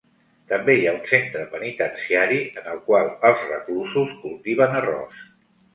També hi ha un centre penitenciari en el qual els reclusos cultiven arròs.